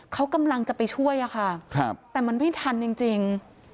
เขากำลังจะไปช่วยอะค่ะแต่มันไม่ทันจริง